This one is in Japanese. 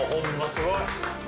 すごい。